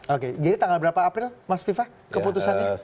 oke jadi tanggal berapa april mas viva keputusannya